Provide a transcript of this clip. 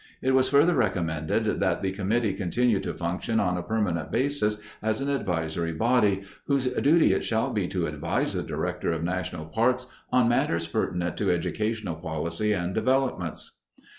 It was further recommended that the committee continue to function on a permanent basis as an advisory body, "whose duty it shall be to advise the Director of National Parks on matters pertinent to educational policy and developments."